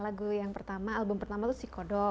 lagu yang pertama album pertama itu sikoto